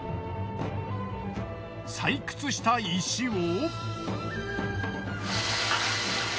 採掘した石を。